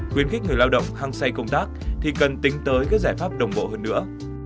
khuyến khích người lao động hăng say công tác thì cần tính tới các giải pháp đồng bộ hơn nữa